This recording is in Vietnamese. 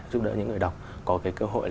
giúp đỡ những người đọc có cái cơ hội